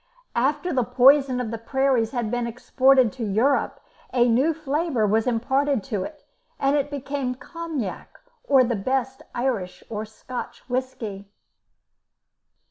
After the poison of the prairies had been exported to Europe, a new flavour was imparted to it, and it became Cognac, or the best Irish or Scotch whisky.